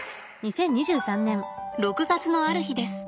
６月のある日です。